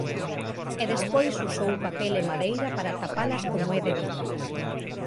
E despois usou papel e madeira para tapalas como é debido.